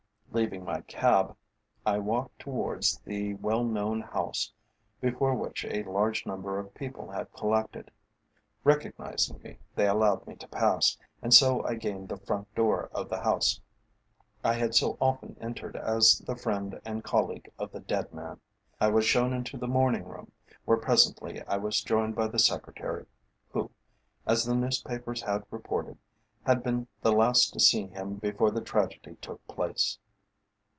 Leaving my cab, I walked towards the well known house, before which a large number of people had collected. Recognising me, they allowed me to pass, and so I gained the front door of the house I had so often entered as the friend and colleague of the dead man. I was shown into the morning room, where presently I was joined by the secretary, who, as the newspapers had reported, had been the last to see him before the tragedy took place.